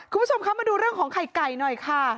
คุณผู้ชมคะมาดูเรื่องของไข่ไก่หน่อยค่ะ